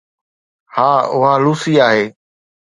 ها، اها لوسي آهي